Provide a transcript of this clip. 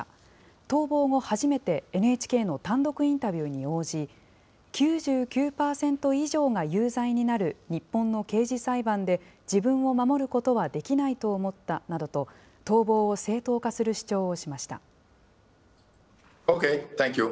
逃亡後初めて、ＮＨＫの単独インタビューに応じ、９９％以上が有罪になる日本の刑事裁判で、自分を守ることはできないと思ったなどと、逃亡を正当化する主張をしました。